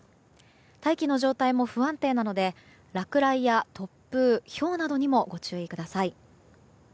大気の状態も不安定なので落雷や突風、ひょうなどにもご注意ください。